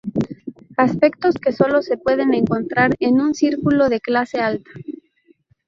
Aspectos que sólo se pueden encontrar en un círculo de clase alta.